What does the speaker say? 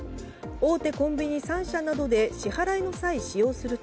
大手コンビニ３社などで支払いの際、使用すると